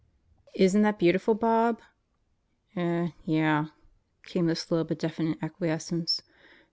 "Isn't that beautiful, Bob?" "Eh yah," came the slow but definite acquiescence.